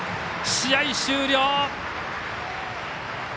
試合終了。